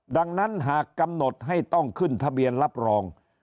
ดังนั้นหากกำหนดให้ต้องขึ้นทะเบียนรับรอง